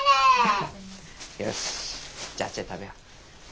よしじゃああっちで食べよう。